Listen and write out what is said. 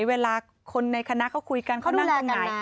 เวลาคนในคณะเขาคุยกันเขานั่งตรงไหน